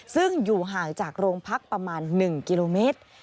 ซึ่งอยู่ห่างจากโรงพักประมาณ๑กิโลเมตร